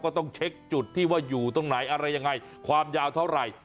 ต้องเช็คจุดที่ว่าอยู่ตรงไหนอะไรยังไงความยาวเท่าไหร่